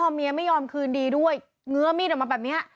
เมียไม่ยอมคืนดีด้วยเงื้อมีดออกมาแบบนี้